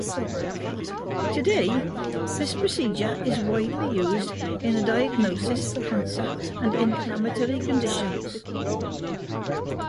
Today, this procedure is widely used in the diagnosis of cancer and inflammatory conditions.